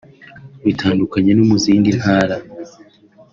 Bitandukanye no mu zindi Ntara